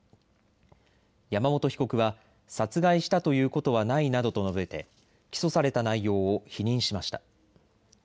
山本被告は殺害したということはないなどと述べて起訴された内容を否認しました。